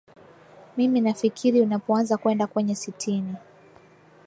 mimi nafikiri unapoanza kwenda kwenye sitini